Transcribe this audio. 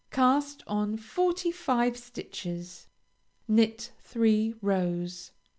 Cast on forty five stitches. Knit three rows.